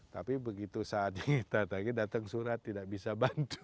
tapi begitu saatnya kita tadi datang surat tidak bisa bantu